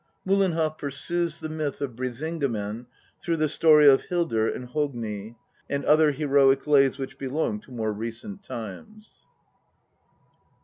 Mtillen hoff pursues the myth of Brisinga men through the story of Hildr and Hogni, and other heroic lays which belong to more recent times.